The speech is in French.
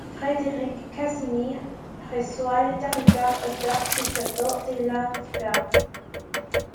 Frédéric-Casimir reçoit les territoires autour du château de Landsberg.